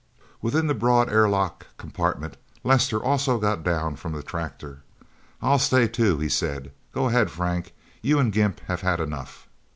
Within the broad airlock compartment, Lester also got down from the tractor. "I'll stay, too," he said. "Go ahead, Frank. You and Gimp have had enough."